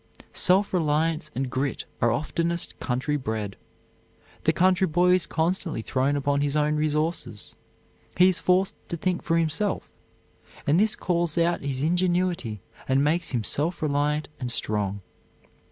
Self reliance and grit are oftenest country bred. The country boy is constantly thrown upon his own resources; he is forced to think for himself, and this calls out his ingenuity and makes him self reliant and strong.